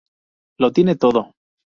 Lo tiene todo.